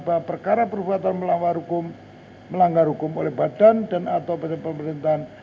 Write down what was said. bahwa perkara perbuatan melawan hukum melanggar hukum oleh badan dan atau pemerintahan